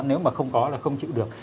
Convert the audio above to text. nếu mà không có là không chịu được